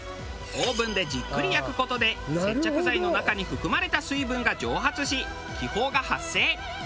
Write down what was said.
オーブンでじっくり焼く事で接着剤の中に含まれた水分が蒸発し気泡が発生。